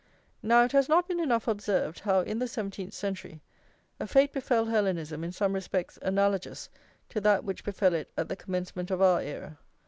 Now, it has not been enough observed, how, in the seventeenth century, a fate befell Hellenism in some respects analogous to that which befell it at the commencement of our era.